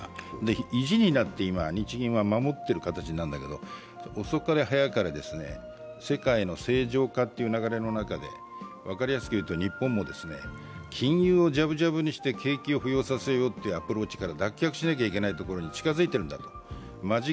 意地になって今、日銀は守っている形なんだけど、遅かれ早かれ、世界の正常化という流れの中で、分かりやすく言うと日本も、金融をじゃぶじゃぶにして景気を浮揚させようというところから、脱却しなきゃいけないところに近づいている。